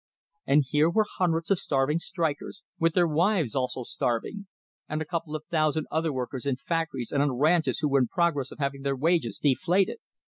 And here were hundreds of starving strikers, with their wives, also starving; and a couple of thousand other workers in factories and on ranches who were in process of having their wages "deflated."